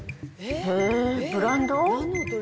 へー、ブランド？